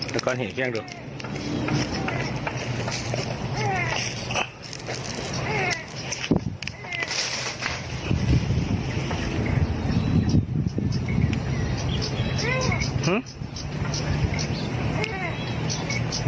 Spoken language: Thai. ดูก่อนเห็นเสียงดู